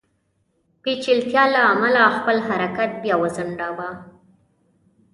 پېچلتیا له امله خپل حرکت بیا وځنډاوه.